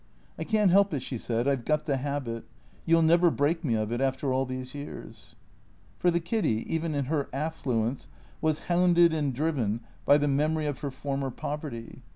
" I can't help it," she said; "I've got the habit. You'll never break me of it, after all these years." For the Kiddy, even in her affluence, was hounded and driven by the memory of her former poverty.